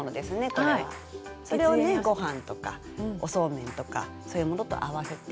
これは。それをねご飯とかおそうめんとかそういうものと合わせて。